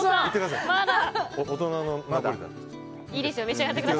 いいですよ